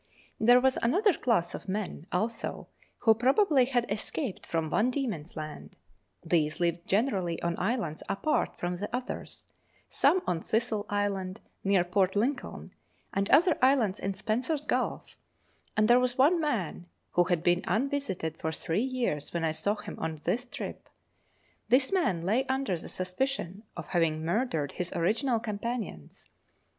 There was another class of men, also, who probably had escaped from Van Diemen's Land ; these lived generally on islands apart from the others, some on Thistle Island, near Port Lincoln, and other islands in Spencer's Gulf, and there was one man who had been unvisited for three years when I saw him on this trip. This man lay under the suspicion of having murdered his original companions.